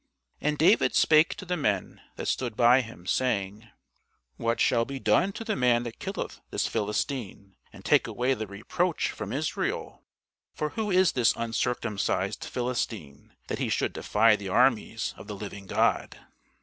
And David spake to the men that stood by him, saying, What shall be done to the man that killeth this Philistine, and taketh away the reproach from Israel? for who is this uncircumcised Philistine, that he should defy the armies of the living God?